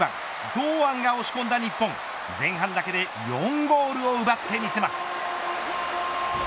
堂安が押し込んだ日本前半だけで４ゴールを奪ってみせます。